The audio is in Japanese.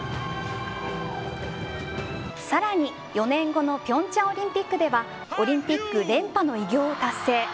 更に、４年後の平昌オリンピックではオリンピック連覇の偉業を達成。